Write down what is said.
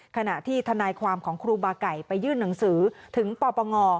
ขณะที่ทนายความของครูบาไก่ไปยื่นหนังสือถึงปปง